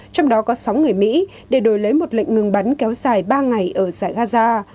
trong đó có sáu người mỹ để đổi lấy một lệnh ngừng bắn kéo dài ba ngày ở giải gaza